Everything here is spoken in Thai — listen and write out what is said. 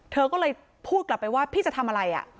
เธอก็เลยพูดกลับไปว่าพี่จะทำอะไร